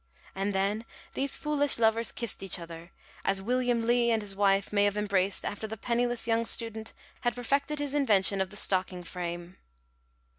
And then these foolish lovers kissed each other, as William Lee and his wife may have embraced after the penniless young student had perfected his invention of the stocking frame.